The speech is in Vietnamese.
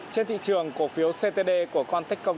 trên thị trường cổ phiếu ctd của con techcom